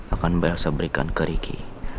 akan belasabrikkan ke ricky